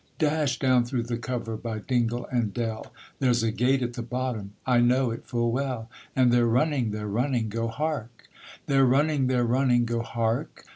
Dash down through the cover by dingle and dell, There's a gate at the bottom I know it full well; And they're running they're running, Go hark! They're running they're running, Go hark!